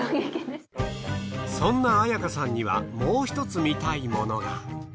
そんな彩香さんにはもう１つ見たいものが。